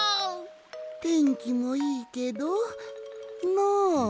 てんきもいいけどのう？